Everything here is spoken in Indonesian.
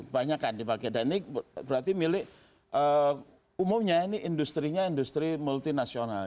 kebanyakan dipakai dan ini berarti milik umumnya ini industri industri multi nasional